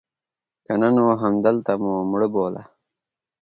که نه نو همدلته مو مړه بوله.